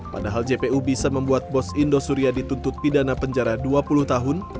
padahal jpu bisa membuat bos indosuria dituntut pidana penjara dua puluh tahun